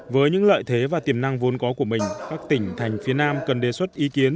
với những lợi thế và tiềm năng vốn có của mình các tỉnh thành phía nam cần đề xuất ý kiến